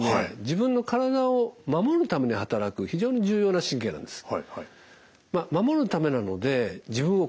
自分の体を守るために働く非常に重要な神経なんです。